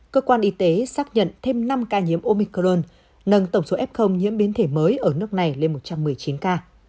cơ quan y tế xác nhận thêm năm ca nhiễm omicron nâng tổng số f nhiễm biến thể mới ở nước này lên một trăm một mươi chín ca